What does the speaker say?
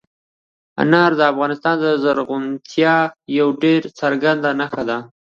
انار د افغانستان د زرغونتیا یوه ډېره څرګنده نښه ده.